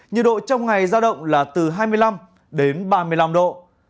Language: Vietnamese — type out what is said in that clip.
nhiệt độ trong ngày ra động là từ hai mươi năm ba mươi năm độ